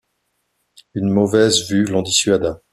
Une mauvaise vue l'en dissuada.